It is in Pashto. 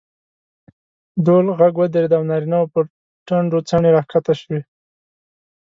ډول غږ ودرېد او نارینه وو پر ټنډو څڼې راکښته شوې.